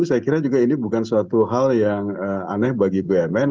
saya kira juga ini bukan suatu hal yang aneh bagi bumn